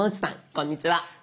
こんにちは。